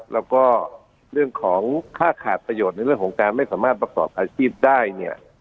แล้วก็เรื่องของค่าขาดประโยชน์ในเรื่องของการไม่สามารถประกอบอาชีพได้เนี่ย